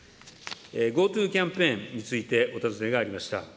ＧｏＴｏキャンペーンについてお尋ねがありました。